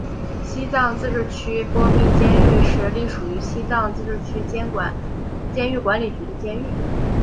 西藏自治区波密监狱是隶属于西藏自治区监狱管理局的监狱。